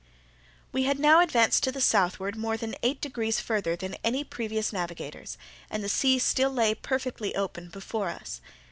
We had now advanced to the southward more than eight degrees farther than any previous navigators, and the sea still lay perfectly open before us.